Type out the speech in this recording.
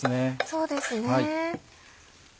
そうですね。